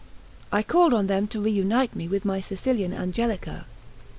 I called on them to reunite me with my Sicilian Angelica.